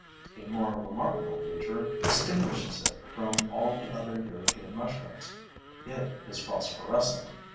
A more remarkable feature distinguishes it from all the other European mushrooms: it is phosphorescent.